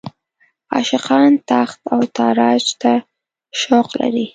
عاشقان تاخت او تاراج ته شوق لري.